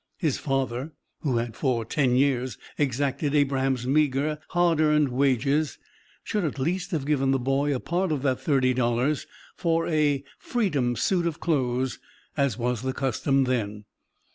His father, who had, for ten years, exacted Abraham's meager, hard earned wages, should at least have given the boy a part of that thirty dollars for a "freedom suit" of clothes, as was the custom then.